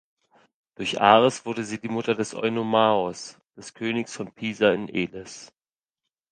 Durch Ares wurde sie die Mutter des Oinomaos, des Königs von Pisa in Elis.